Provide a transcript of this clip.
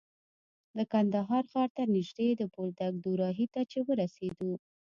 د کندهار ښار ته نژدې د بولدک دوراهي ته چې ورسېدو.